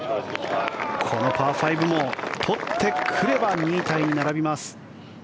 このパー５も取ってくれば２位タイに並びます。